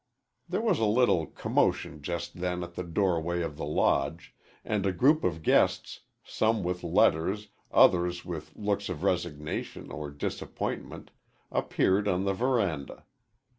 '" There was a little commotion just then at the doorway of the Lodge, and a group of guests some with letters, others with looks of resignation or disappointment appeared on the veranda.